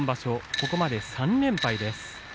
ここまで３連敗です。